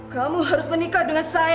kamu harus menikah dengan saya